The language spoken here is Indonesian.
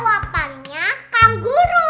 jawabannya kang guru